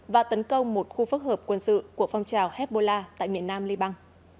và tấn công một khu phức hợp quân sự của phong trào hezbollah tại miền nam liban